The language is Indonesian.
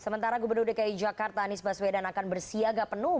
sementara gubernur dki jakarta anies baswedan akan bersiaga penuh